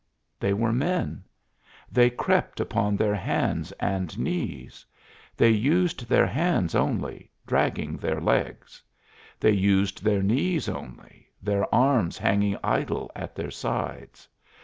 They were men. They crept upon their hands and knees. They used their hands only, dragging their legs. They used their knees only, their arms hanging idle at their sides.